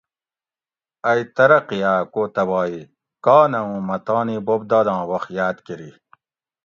ائی ترقی آۤ کو تباہی؟ کا نہ اُوں مہ تانی بوب داداں وۤخت یاۤد کۤری